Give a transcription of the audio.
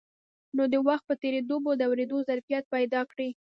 نو د وخت په تېرېدو به د اورېدو ظرفيت پيدا کړي.